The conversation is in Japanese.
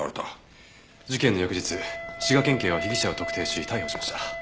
事件の翌日滋賀県警は被疑者を特定し逮捕しました。